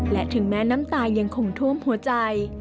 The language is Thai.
และถึงแม้น้ำตายังคงท่วมหัวใจ